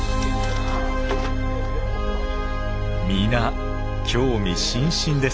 皆興味津々です。